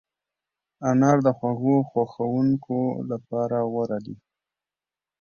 انار د خوږو خوښونکو لپاره غوره دی.